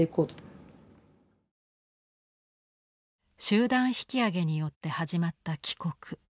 集団引き揚げによって始まった帰国。